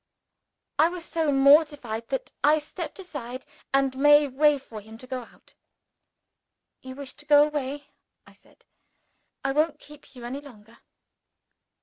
I was so mortified that I stepped aside, and made way for him to go out. "You wish to go away," I said; "I won't keep you any longer."